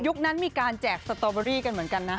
นั้นมีการแจกสตอเบอรี่กันเหมือนกันนะ